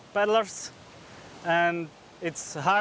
pedaler yang sangat bagus